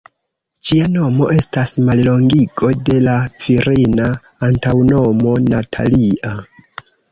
Ĝia nomo estas mallongigo de la virina antaŭnomo "Natalia".